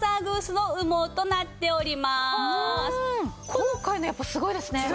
今回のやっぱすごいですね。